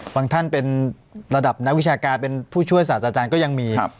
บางท่านเป็นระดับนักวิชาการเป็นผู้ช่วยศาสตราจารย์ก็ยังมี